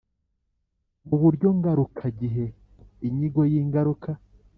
Mu buryo ngarukagihe inyigo y ingaruka